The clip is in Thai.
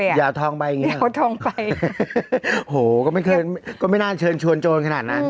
อย่าทองไปอย่างนี้อย่าเอาทองไปโหก็ไม่เคยก็ไม่น่าเชิญชวนโจรขนาดนั้น